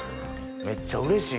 めっちゃうれしい。